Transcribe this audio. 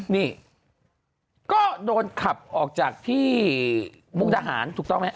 นี่ก็โดนขับออกจากที่มุกดาหารถูกต้องไหมฮ